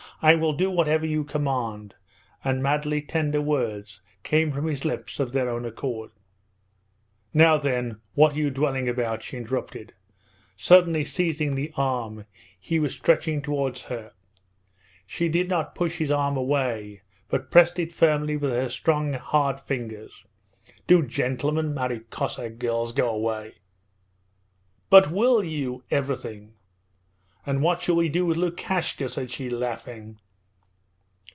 I will do whatever you command,' and madly tender words came from his lips of their own accord. 'Now then, what are you drivelling about?' she interrupted, suddenly seizing the arm he was stretching towards her. She did not push his arm away but pressed it firmly with her strong hard fingers. 'Do gentlemen marry Cossack girls? Go away!' 'But will you? Everything...' 'And what shall we do with Lukashka?' said she, laughing.